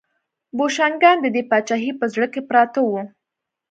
بوشنګان د دې پاچاهۍ په زړه کې پراته وو.